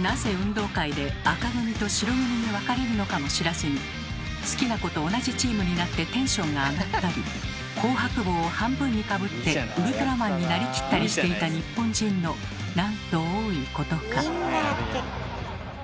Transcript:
なぜ運動会で赤組と白組にわかれるのかも知らずに好きな子と同じチームになってテンションが上がったり紅白帽を半分にかぶってウルトラマンになりきったりしていた日本人のなんと多いことか。